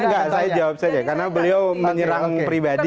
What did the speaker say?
enggak saya jawab saja karena beliau menyerang pribadi